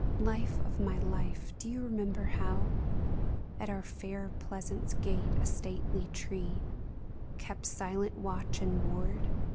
Life of my life, do you remember how, At our fair pleasance gate, a stately tree Kept silent watch and ward